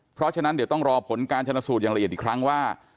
เพราะฉะนั้นเดี๋ยวต้องรอผลการชนสูตรอย่างละเอียดอีกครั้งว่า